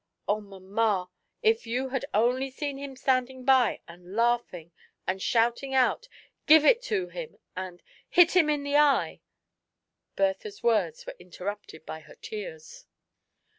Oh, mamma^ if you had only seen him standing by and laughing, and shouting out, * Give it to him,' and * Hit him in the eye '"— Bertha's words were interrupted by her tears.